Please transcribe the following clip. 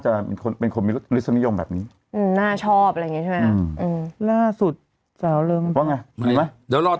อยากเพิ่มรสชาติให้ชีวิตให้นึกถึงที่พารถ